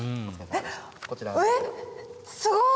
えっすごい！